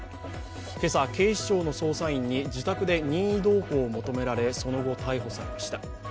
今朝、警視庁の捜査員に自宅で任意同行を求められその後、逮捕されました。